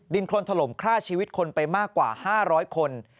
โครนถล่มฆ่าชีวิตคนไปมากกว่า๕๐๐คน